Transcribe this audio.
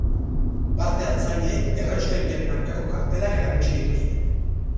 Parte-hartzaileek erraustegiaren aurkako kartelak erakutsi dituzte.